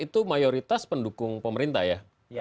itu mayoritas pendukung pemerintah ya